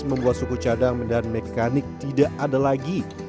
membuat suku cadang dan mekanik tidak ada lagi